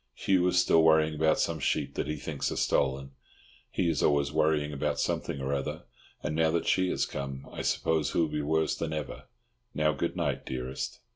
Hugh is still worrying about some sheep that he thinks are stolen. He is always worrying about something or other, and now that she has come I suppose he will be worse than ever. Now goodnight, dearest...